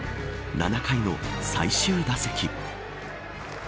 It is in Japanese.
７回の最終打席。